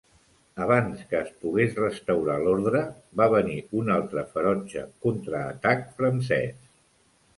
Abans que es pogués restaurar l'ordre va venir un altre ferotge contraatac francès.